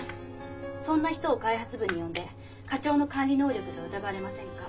そんな人を開発部に呼んで課長の管理能力が疑われませんか？」。